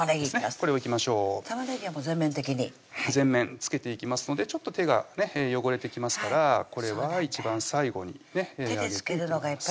これをいきましょう玉ねぎはもう全面的に全面つけていきますのでちょっと手が汚れてきますからこれは一番最後に揚げていきます